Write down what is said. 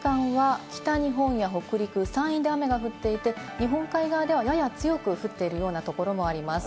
この時間は北日本や北陸、山陰で雨が降っていて、日本海側ではやや強く降っているようなところもあります。